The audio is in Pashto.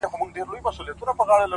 اراده د ستونزې قد کموي’